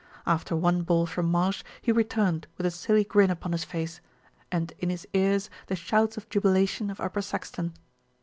After one ball from Marsh he returned with a silly grin upon his face, and in his ears the shouts of jubila tion of Upper Saxton.